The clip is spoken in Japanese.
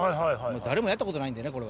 誰もやったことないんでね。